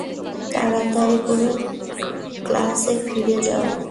তাড়াতাড়ি করে ক্লাসে ফিরে যাও।